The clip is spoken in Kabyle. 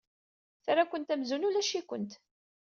Terra-kent amzun ulac-ikent.